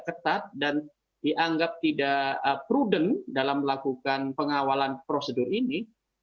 ketat dan dianggap tidak prudent dalam melakukan pengawalan prosedur ini